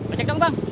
ojek dong bang